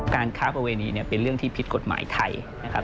การค้าประเวณีเป็นเรื่องที่ผิดกฎหมายไทย